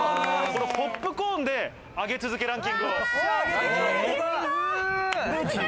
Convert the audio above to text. このポップコーンで、上げ続けランキングを。